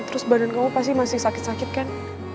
terus badan kamu pasti masih sakit sakit kan